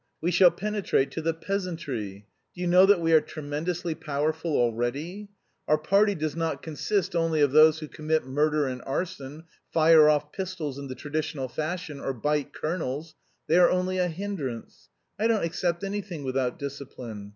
We shall penetrate to the peasantry. Do you know that we are tremendously powerful already? Our party does not consist only of those who commit murder and arson, fire off pistols in the traditional fashion, or bite colonels. They are only a hindrance. I don't accept anything without discipline.